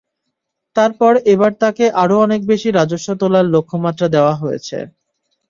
তারপর এবার তাকে আরও অনেক বেশি রাজস্ব তোলার লক্ষ্যমাত্রা দেওয়া হয়েছে।